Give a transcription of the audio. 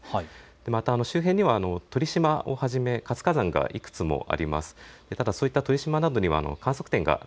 また周辺には鳥島をはじめ活火山がいくつもあります。